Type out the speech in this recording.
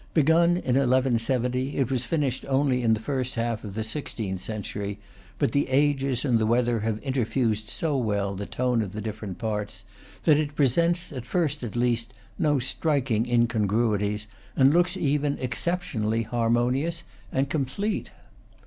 Begun in 1170, it was finished only in the first half of the sixteenth century; but the ages and the weather have interfused so well the tone of the different parts, that it presents, at first at least, no striking incongruities, and looks even exception ally harmonious and complete.